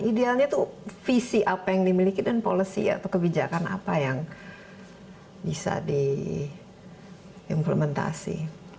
idealnya itu visi apa yang dimiliki dan policy atau kebijakan apa yang bisa diimplementasi